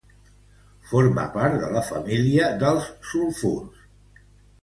Forma part de la família dels sulfurs.